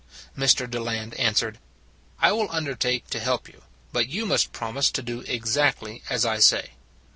Mr. Deland answered: " I will under take to help you, but you must promise to do exactly as I say."